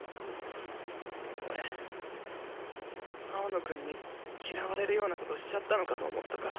俺青野くんに嫌われるようなことしちゃったのかと思ったから。